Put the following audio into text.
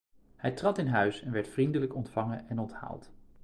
Hij trad in huis en werd vriendelijk ontvangen en onthaald.